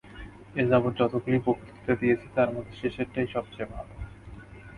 এ-যাবৎ যতগুলি বক্তৃতা দিয়েছি, তার মধ্যে শেষেরটাই সবচেয়ে ভাল।